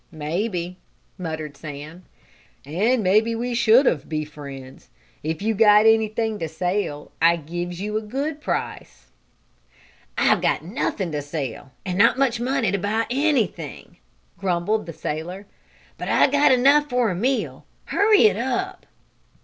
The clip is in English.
"Maybe," muttered Sam, "and maybe we should of be friends. If you got anything to sell I gives you a good price." "I've got nothing to sell, and not much money to buy anything," grumbled the sailor. "But I got enough for a meal. Hurry it up!"